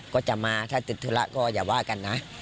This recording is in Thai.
ก็จะมาถ้าติดธุระก็อย่าว่ากันนะ